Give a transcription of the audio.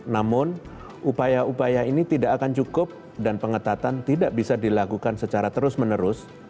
namun upaya upaya ini tidak akan cukup dan pengetatan tidak bisa dilakukan secara terus menerus